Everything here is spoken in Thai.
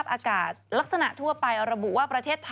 พี่ชอบแซงไหลทางอะเนาะ